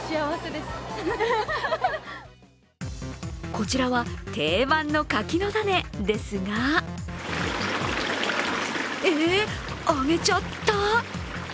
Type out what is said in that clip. こちらは定番の柿の種ですがえっ、揚げちゃった？